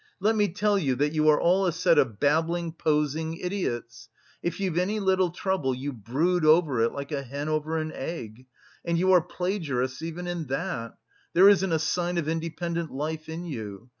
Let me tell you, that you are all a set of babbling, posing idiots! If you've any little trouble you brood over it like a hen over an egg. And you are plagiarists even in that! There isn't a sign of independent life in you!